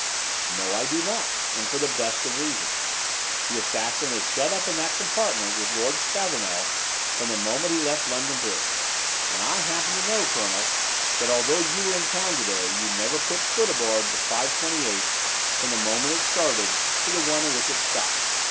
"No, I do not. And for the best of reasons. The assassin was shut up in that compartment with Lord Stavornell from the moment he left London Bridge; and I happen to know, Colonel, that although you were in town to day, you never put foot aboard the 5.28 from the moment it started to the one in which it stopped.